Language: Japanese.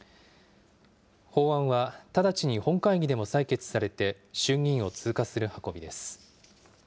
法案は直ちに本会議でも採決されて、衆議院を通過する運びです。